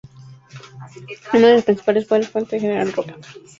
Uno de los principales fue el fuerte General Roca.